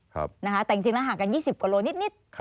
แต่จริงแล้วห่างกัน๒๐กว่าโลนิด